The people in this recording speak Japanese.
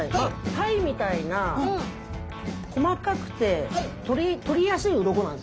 タイみたいな細かくて取りやすい鱗なんですね。